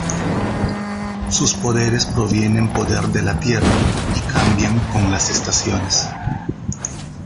Sus poderes provienen poder de la Tierra y cambian con las estaciones.